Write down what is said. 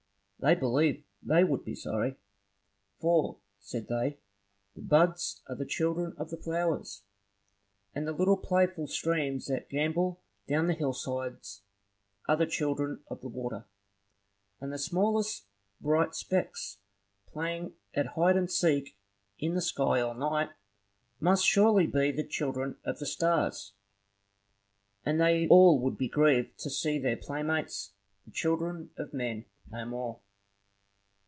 They believed they would be sorry. For, said they, the buds are the children of the flowers, and the little playful streams that gambol down the hillsides are the children of the water; and the smallest bright specks playing at hide and seek in the sky all night, must surely be the children of the stars; and they would all be grieved to see their playmates, the children of men, no more.